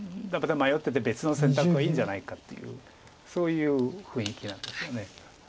迷ってて別の選択がいいんじゃないかっていうそういう雰囲気なんですよね。